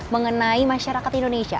mengenai masyarakat indonesia